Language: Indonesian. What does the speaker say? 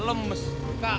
nggak ada uang nggak ada uang